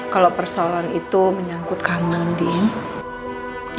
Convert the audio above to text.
kalau persoalan itu menyangkut kamu din